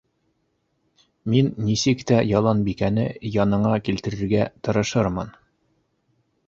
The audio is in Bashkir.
Мин нисек тә Яланбикәне яныңа килтерергә тырышырмын.